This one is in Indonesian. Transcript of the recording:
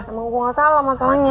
emang gue gak salah masalahnya